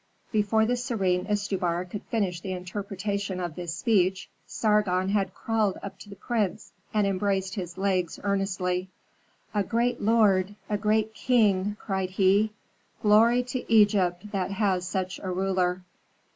Before the serene Istubar could finish the interpretation of this speech, Sargon had crawled up to the prince and embraced his legs earnestly. "A great lord! a great king!" cried he. "Glory to Egypt, that has such a ruler."